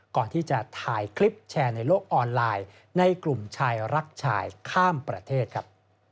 ก่อนที่จะถ่ายคลิปแชร์ในโลกออนไลน์ในกลุ่มชายรักชายข้ามประเทศครับ